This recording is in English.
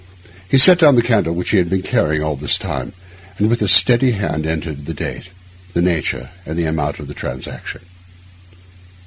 He set down the candle which he had been carrying all this time, and with a steady hand entered the date, the nature, and the amount of the transaction.